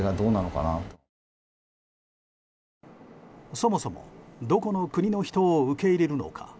そもそもどこの国の人を受け入れるのか。